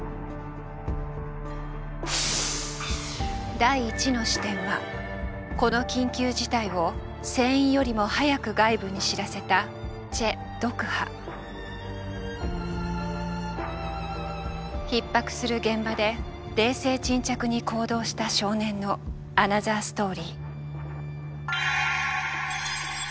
第１の視点はこの緊急事態を船員よりも早く外部に知らせたひっ迫する現場で冷静沈着に行動した少年のアナザーストーリー。